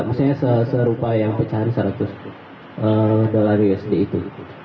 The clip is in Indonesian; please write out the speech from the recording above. maksudnya serupa yang pecahan seratus dolar usd itu